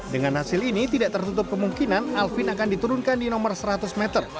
dengan hasil ini tidak tertutup kemungkinan alvin akan diturunkan di nomor seratus meter